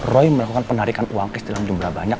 roy melakukan penarikan uang cash dalam jumlah banyak